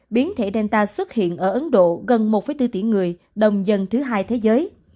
biến thể delta xuất hiện ở ấn độ gần một bốn tỷ người đông dân thứ hai thế giới